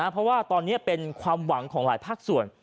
เพราะว่าตอนนี้เป็นความหวังของหลายภาคส่วน